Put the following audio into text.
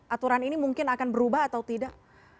aturan ini mungkin akan berubah atau tidak